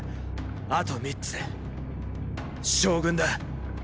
あと三つで“将軍”だ！